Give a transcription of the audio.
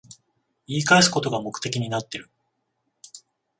言い返すことが目的になってる